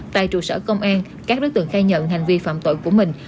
tại trụ sở công an các đối tượng khai nhận hành vi phạm tội của mình